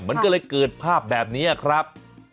มันก็เลยเกิดภาพแบบนี้ครับ